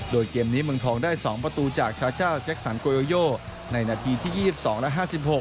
โดยเกมนี้เมืองทองได้๒ประตูจากชาเจ้าแจ็คสันโกโยโยในนาทีที่๒๒และ๕๖